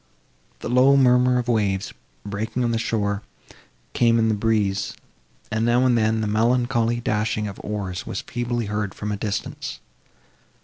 The low murmur of waves, breaking on the shore, came in the breeze, and, now and then, the melancholy dashing of oars was feebly heard from a distance.